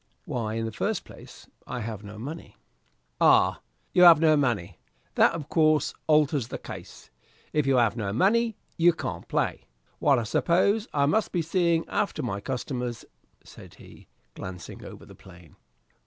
"Why, in the first place, I have no money." "Oh, you have no money! That, of course, alters the case. If you have no money, you can't play. Well, I suppose I must be seeing after my customers," said he, glancing over the plain.